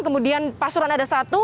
kemudian pasuran ada satu